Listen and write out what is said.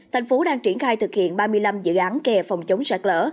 tp hcm đang triển khai thực hiện ba mươi năm dự án kề phòng chống sạt lở